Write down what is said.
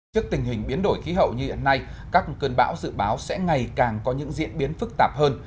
trước tình hình biến đổi khí hậu như hiện nay các cơn bão dự báo sẽ ngày càng có những diễn biến phức tạp hơn